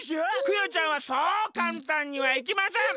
クヨちゃんはそうかんたんにはいきません。